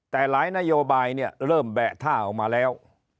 แต่หลายนโยบายเนี่ยเริ่มแบะท่าออกมาแล้ว